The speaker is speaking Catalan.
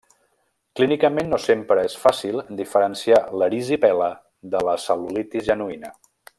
Clínicament, no sempre és fàcil diferenciar l'erisipela de la cel·lulitis genuïna.